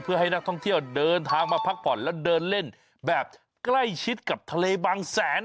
เพื่อให้นักท่องเที่ยวเดินทางมาพักผ่อนและเดินเล่นแบบใกล้ชิดกับทะเลบางแสน